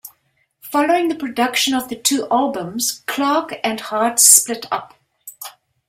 Following the production of two albums, Clarke and Hart split up.